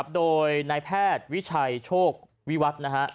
โดยนายแพทย์วิชัยโชควิวัฒน์นะฮะ